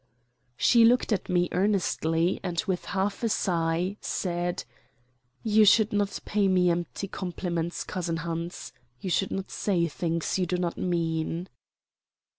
She looked at me earnestly and, with half a sigh, said: "You should not pay me empty compliments, cousin Hans. You should not say things you do not mean."